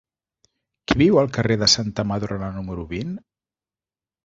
Qui viu al carrer de Santa Madrona número vint?